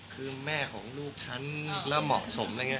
คือแม่ของลูกฉันแล้วเหมาะสม